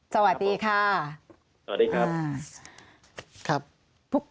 สวัสดีค่ะสวัสดีครับสวัสดีครับครับ